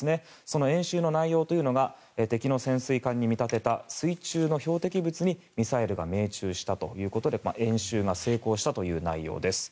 その演習の内容というのが敵の潜水艦に見立てた水中の標的物にミサイルが命中したということで演習が成功したという内容です。